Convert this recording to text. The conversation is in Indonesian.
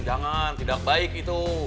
jangan tidak baik itu